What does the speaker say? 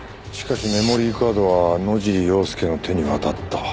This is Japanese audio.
しかしメモリーカードは野尻要介の手に渡った。